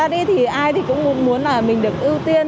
ra đi thì ai thì cũng muốn là mình được ưu tiên